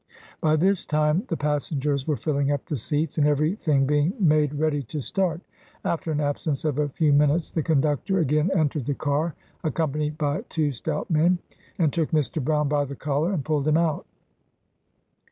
By this time, the pas sengers were filling up the seats, and every thing being made ready to start. After an absence of a few min utes, the conductor again entered the car, accompanied by two stout men, and took Mr. Brown by the collar and pulled him out.